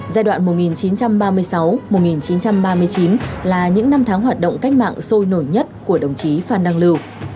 giai đoạn một nghìn chín trăm ba mươi sáu một nghìn chín trăm ba mươi chín là những năm tháng hoạt động cách mạng sôi nổi nhất của đồng chí phan đăng lưu